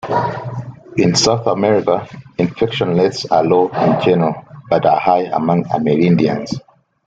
In South America, infection rates are low in general but are high among Amerindians.